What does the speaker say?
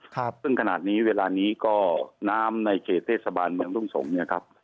ครับซึ่งขนาดนี้เวลานี้ก็น้ำในเขตเทศบาลเมืองทุ่งสงศ์เนี่ยครับ